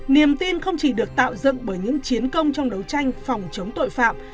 niềm tin không chỉ được tạo dựng bởi những chiến công trong đấu tranh phòng chống tội phạm